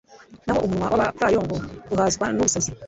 naho umunwa w’abapfayongo uhazwa n’ubusazi